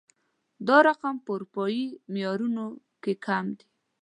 دا رقم په اروپايي معيارونو کې کم دی